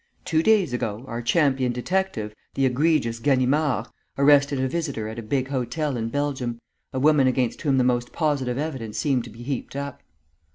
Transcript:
Two days ago, our champion detective, the egregious Ganimard, arrested a visitor at a big hotel in Belgium, a woman against whom the most positive evidence seemed to be heaped up.